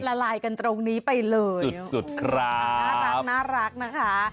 ละลายกันตรงนี้ไปเลยสุดสุดครับน่ารักนะคะ